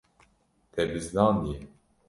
Te bizdandiye.